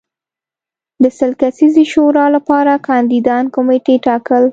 د سل کسیزې شورا لپاره کاندیدان کمېټې ټاکل